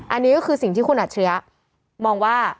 อันนี้ก็คือสิ่งที่คุณอัจฉริยะมองว่า